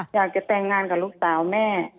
อยากจะแต่งงานกับลูกสาวแม่